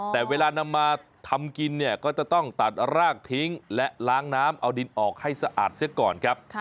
แต่เวลานำมาทำกินเนี่ยก็จะต้องตัดรากทิ้งและล้างน้ำเอาดินออกให้สะอาดเสียก่อนครับ